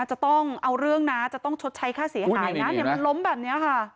จะต้องเอาเรื่องนะจะต้องชดใช้ค่าเสียหายนะเนี่ยมันล้มแบบนี้ค่ะ